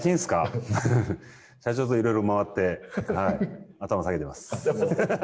社長といろいろ回って頭下げてます。